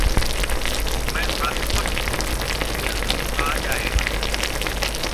मैं आश्वस्त हूँ कि यह आ जाएगा.